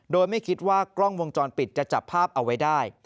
โดยไม่คิดว่ากล้องวงจรปิดจะจับภาพเอาไว้ได้